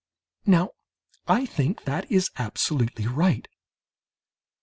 Now I think that is absolutely right.